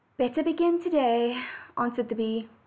"Better begin to day," answered the bee.